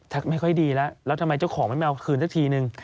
ไม่ค่อยดีแล้วแล้วทำไมเจ้าของไม่มาเอาคืนสักทีนึง